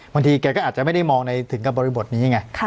บางทีแกก็อาจจะไม่ได้มองในถึงกับบริบทนี้ไง